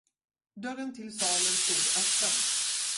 Dörren till salen stod öppen.